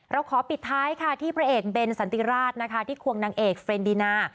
เราขอปิดท้ายค่ะที่พระเอกเบนสันติราชนะคะที่ควงนางเอกเรนดีนา